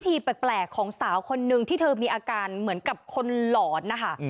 ทีแปลกของสาวคนนึงที่เธอมีอาการเหมือนกับคนหลอนนะคะ